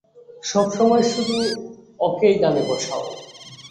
সবসময় শুধু ওকেই ডানে বসাও।